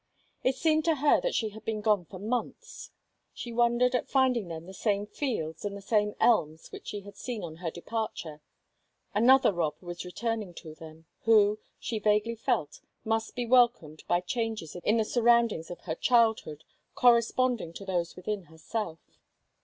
It seemed to her that she had been gone for months; she wondered at finding them the same fields and the same elms which she had seen on her departure another Rob was returning to them, who, she vaguely felt, must be welcomed by changes in the surroundings of her childhood corresponding to those within herself.